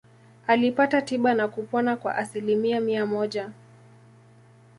Alipata tiba na kupona kwa asilimia mia moja.